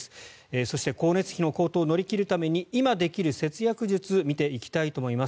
そして光熱費の高騰を乗り切るために今できる節約術見ていきたいと思います。